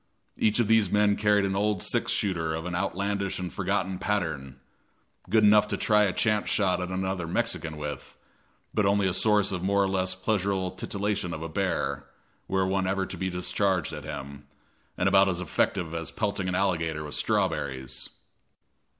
Each of these men carried an old six shooter of an outlandish and forgotten pattern, good enough to try a chance shot at another Mexican with, but only a source of more or less pleasurable titillation to a bear, were one ever to be discharged at him, and about as effective as pelting an alligator with strawberries.